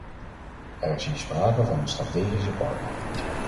Er is hier sprake van een strategische partner.